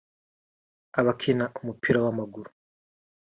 abakina umupira w’amaguru